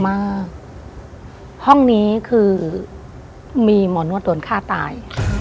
ห้องนี้คือมีหมอนวดโดนฆ่าตาย